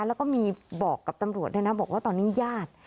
แล้วก็มีบอกกับตำรวจด้วยนะบอกว่าตอนนี้ญาติ